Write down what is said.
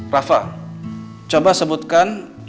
rafa coba sebutkan